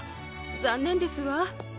残念ですわ。